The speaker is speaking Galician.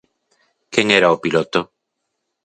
Quen era o piloto?